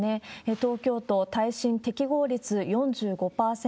東京都耐震適合率４５％。